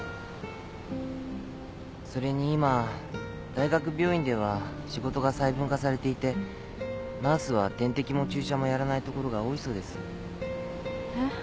それに今大学病院では仕事が細分化されていてナースは点滴も注射もやらないところが多いそうです。え。